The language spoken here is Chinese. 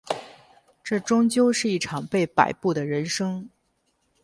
这终究是一场被摆布的人生